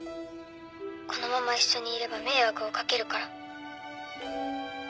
このまま一緒にいれば迷惑をかけるから。